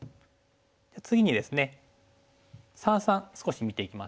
次にですね三々少し見ていきます。